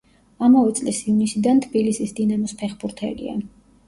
ამავე წლის ივნისიდან თბილისის „დინამოს“ ფეხბურთელია.